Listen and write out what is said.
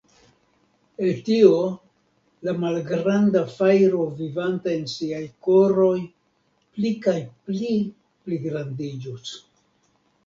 El tio, la malgranda fajro vivanta en siaj koroj pli kaj pli pligrandiĝos.